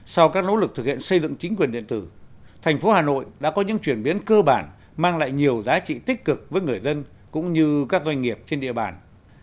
sau các nỗ lực thực hiện xây dựng chính quyền điện tử thành phố hà nội đã có những chuyển biến cơ bản mang lại nhiều giá trị tích cực với người dân cũng như các doanh nghiệp trên địa bàn